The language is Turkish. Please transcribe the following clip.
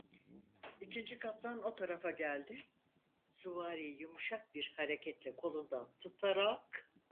İkinci kaptan o tarafa geldi, süvariyi yumuşak bir hareketle kolundan tutarak: